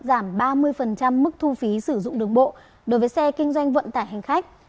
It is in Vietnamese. giảm ba mươi mức thu phí sử dụng đường bộ đối với xe kinh doanh vận tải hành khách